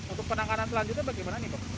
untuk penanganan selanjutnya bagaimana